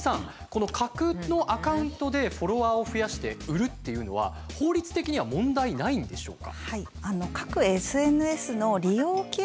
この架空のアカウントでフォロワーを増やして売るっていうのは法律的には問題ないんでしょうか？